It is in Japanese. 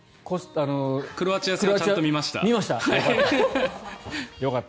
クロアチア戦ちゃんと見ました。